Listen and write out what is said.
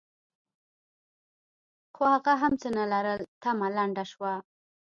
خو هغه هم څه نه لرل؛ تمه لنډه شوه.